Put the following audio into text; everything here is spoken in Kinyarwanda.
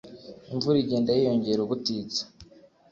imvura igenda yiyongera ubutitsa,